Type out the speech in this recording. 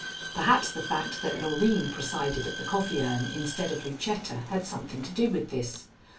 Perhaps the fact that Loreen presided at the coffee urn instead of Lucetta had something to do with this.